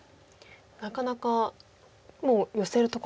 なかなかもうヨセるところも。